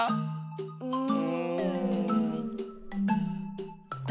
うん。